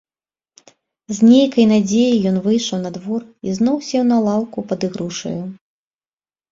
З нейкай надзеяй ён выйшаў на двор і зноў сеў на лаўку пад ігрушаю.